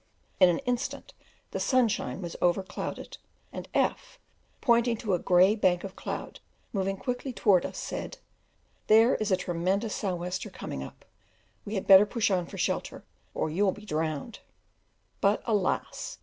In an instant the sunshine was overclouded, and F , pointing to a grey bank of cloud moving quickly towards us, said, "There is a tremendous sou' wester coming up; we had better push on for shelter, or you'll be drowned:" but, alas!